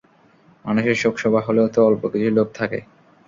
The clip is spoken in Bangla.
মানুষের শোকসভা হলেও তো অল্প কিছু লোক থাকে।